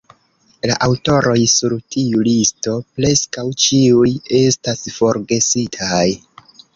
La aŭtoroj sur tiu listo preskaŭ ĉiuj estas forgesitaj.